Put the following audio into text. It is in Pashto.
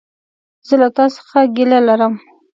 زه له تا څخه ګيله لرم!